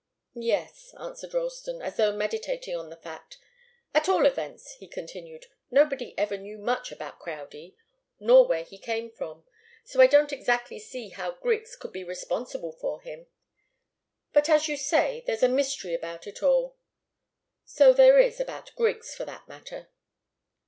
"Yes," answered Ralston, as though meditating on the fact. "At all events," he continued, "nobody ever knew much about Crowdie, nor where he came from. So I don't exactly see how Griggs could be responsible for him. But, as you say, there's a mystery about it all so there is about Griggs, for that matter."